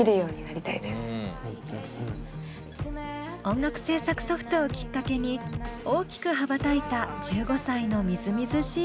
音楽制作ソフトをきっかけに大きく羽ばたいた１５歳のみずみずしい感性。